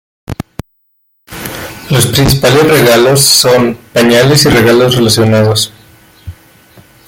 Los principales regalos son pañales y regalos relacionados.